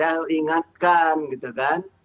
saya ingatkan gitu kan